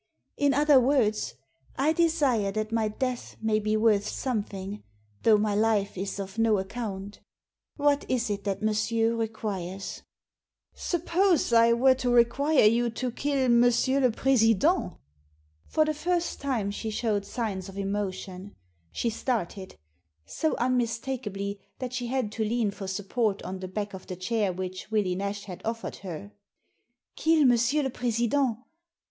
In other words, I desire that my death may be worth something, though my life is of no account What is it that monsieur requires ?" "Suppose I were to require you to kill M. le President?" For the first time she showed signs of emotion. She started — so unmistakably, that she had to lean for support on the back of the chair which Willie Nash had offered her. ''Kill M. le President!